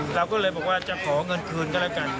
เราก็เลยบอกว่าจะขอเงินคืนก็แล้วกัน